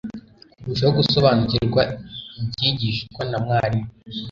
kurushaho gusobanukirwa ibyigishwa na mwrimu